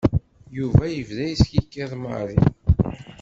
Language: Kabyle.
Yuba yebda yeskikiḍ i Mary.